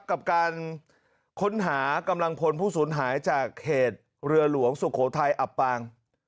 กับการค้นหากำลังพลผู้สูญหายจากเหตุเรือหลวงสุโขทัยอับปาง